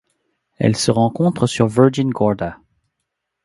Elle se rencontre sur Virgin Gorda.